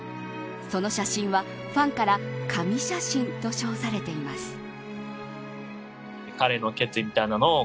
その写真は、ファンからは神写真と称されています。